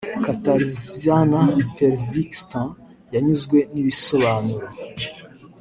Katarzyna Pelczynska yanyuzwe n’ibisobanuro